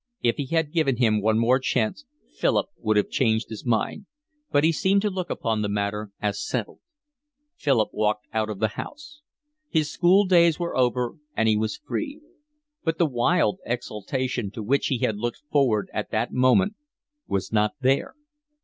If he had given him one more chance Philip would have changed his mind, but he seemed to look upon the matter as settled. Philip walked out of the house. His school days were over, and he was free; but the wild exultation to which he had looked forward at that moment was not there.